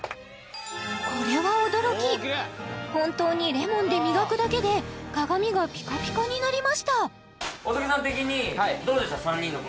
これは驚き本当にレモンで磨くだけで鏡がピカピカになりました尾崎さん的にどうでした？